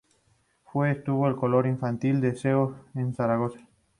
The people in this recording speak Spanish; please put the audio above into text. Fue estuvo en el coro infantil de la Seo en Zaragoza.